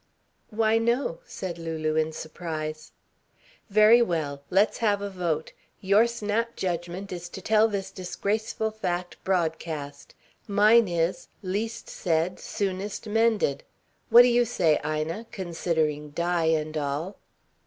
"Why, no," said Lulu in surprise. "Very well. Let's have a vote. Your snap judgment is to tell this disgraceful fact broadcast. Mine is, least said, soonest mended. What do you say, Ina considering Di and all?"